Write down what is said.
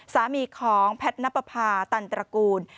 สามีของแพทย์นับประพาตันตระกูล